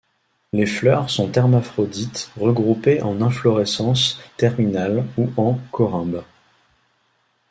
Les fleurs sont hermaphrodites regroupées en inflorescence terminale ou en corymbes.